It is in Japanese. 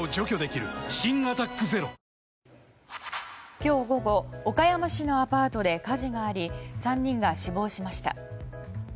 今日午後岡山市のアパートで火事があり３人が死亡しました。